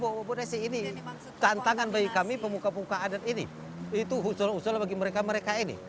bahwa bonesi ini tantangan bagi kami pemuka pemuka adat ini itu usul usul bagi mereka mereka ini